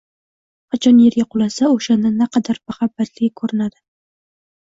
Qachon yerga qulasa, o‘shanda naqadar bahaybatligi ko‘rinadi.